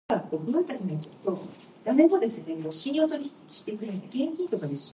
Townley is an Organizational Development Consultant.